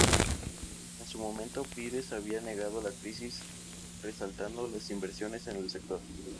En su momento, Pires había negado la crisis, resaltando las inversiones en el sector.